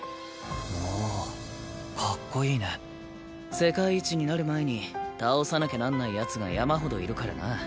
世界一になる前に倒さなきゃなんない奴が山ほどいるからな。